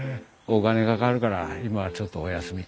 お金かかるから今はちょっとお休み。